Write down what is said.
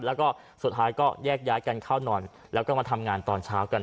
แล้วก็สุดท้ายก็แยกย้ายกันเข้านอนแล้วก็มาทำงานตอนเช้ากัน